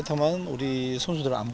dan kami juga ingin menikmati pertandingan